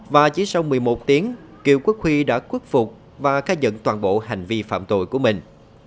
và chỉ sau một mươi một tiếng kiều quốc huy đã khuất phục và khai nhận toàn bộ hành vi phạm tội của mình